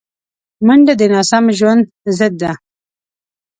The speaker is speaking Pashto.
منډه د ناسم ژوند ضد ده